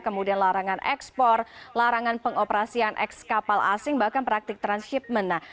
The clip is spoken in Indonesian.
kemudian larangan ekspor larangan pengoperasian ekskapal asing bahkan praktik transhipment nah